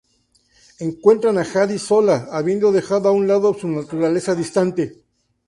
Encuentran a Jadis sola, habiendo dejado a un lado su naturaleza distante.